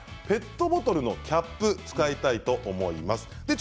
ペットボトルのキャップ使いたいと思います。